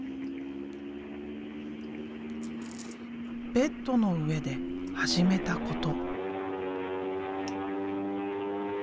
ベッドの上で始めたこと。